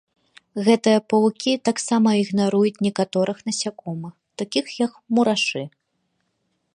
Гэтыя павукі таксама ігнаруюць некаторых насякомых, такіх як мурашы.